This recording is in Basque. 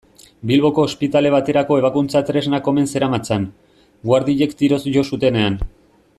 Bilboko ospitale baterako ebakuntza-tresnak omen zeramatzan, guardiek tiroz jo zutenean.